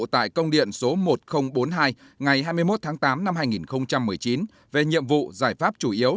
tại công điện số một nghìn bốn mươi hai ngày hai mươi một tháng tám năm hai nghìn một mươi chín về nhiệm vụ giải pháp chủ yếu